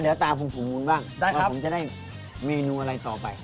เดี๋ยวตามผมฝุมวุ้นบ้างได้ครับว่าผมจะได้เมนูอะไรต่อไป